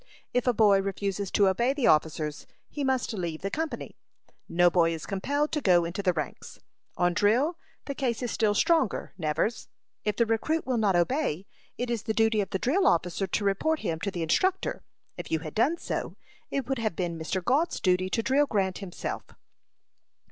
If a boy refuses to obey the officers, he must leave the company. No boy is compelled to go into the ranks. On drill the case is still stronger, Nevers. If the recruit will not obey, it is the duty of the drill officer to report him to the instructor. If you had done so, it would have been Mr. Gault's duty to drill Grant himself."